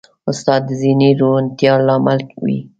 استاد د ذهني روڼتیا لامل وي.